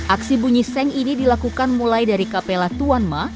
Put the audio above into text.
aksi bunyi seng ini dilakukan mulai dari kapela tuan ma